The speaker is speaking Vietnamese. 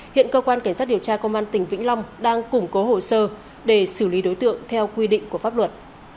hiện cơ quan cảnh sát điều tra công an tỉnh vĩnh long đang củng cố hồ sơ để xử lý đối tượng theo quy định của pháp luật